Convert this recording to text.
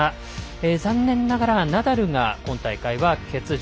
残念ながらナダルが今大会は欠場。